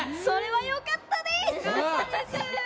それはよかったです！